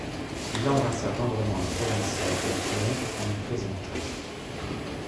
Il embrassa tendrement un provincial quelconque qu'on lui présenta.